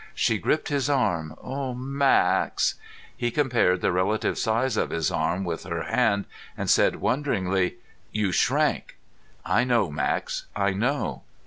She gripped his arm. "Max " He compared the relative size of his arm with her hand and said wonderingly, "You shrank." "I know, Max. I know."